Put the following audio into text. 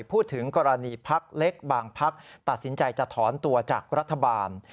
พูดถึงกรณีพักเล็กบางพักตัดสินใจจะถอนตัวจากรัฐบาล